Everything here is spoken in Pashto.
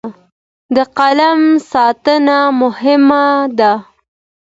د قلم ساتنه مهمه ده.